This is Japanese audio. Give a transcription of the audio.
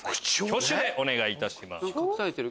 挙手でお願いいたします。